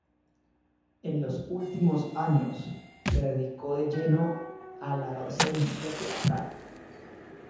En los últimos años se dedicó de lleno a la docencia teatral.